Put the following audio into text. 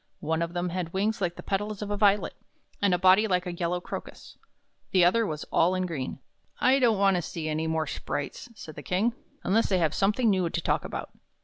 One of them had wings like the petals of a violet, and a body like a yellow crocus. The other was all in green. 44 THE BROOK IN THE KING'S GARDEN " I don't want to see any more sprites," said the King, "unless they have something new to talk about."